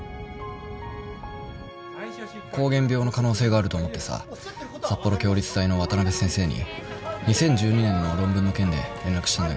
膠原病の可能性があると思ってさ札幌共立大の渡辺先生に２０１２年の論文の件で連絡したんだけど。